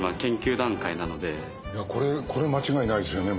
これ間違いないですよね